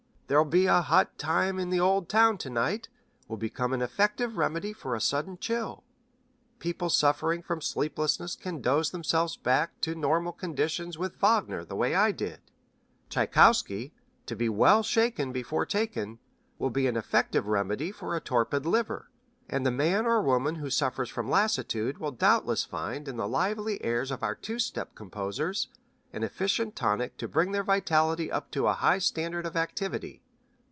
'There'll Be a Hot Time in the Old Town To night' will become an effective remedy for a sudden chill. People suffering from sleeplessness can dose themselves back to normal conditions with Wagner the way I did. Tchaikowsky, to be well shaken before taken, will be an effective remedy for a torpid liver, and the man or woman who suffers from lassitude will doubtless find in the lively airs of our two step composers an efficient tonic to bring their vitality up to a high standard of activity.